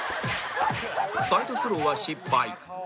サイドスローは失敗